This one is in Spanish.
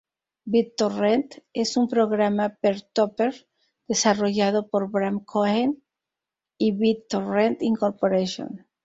BitTorrent es un programa "peer-to-peer" desarrollado por Bram Cohen y BitTorrent, Inc.